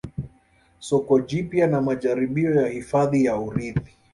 Soko jipya na majaribio ya hifadhi ya urithi